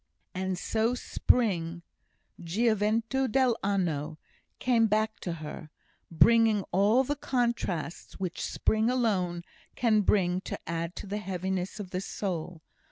And so spring (gioventu dell'anno) came back to her, bringing all the contrasts which spring alone can bring to add to the heaviness of the soul.